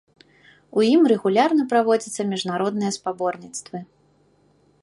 У ім рэгулярна праводзяцца міжнародныя спаборніцтвы.